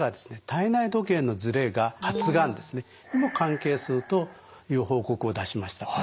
体内時計のズレが発がんにも関係するという報告を出しました。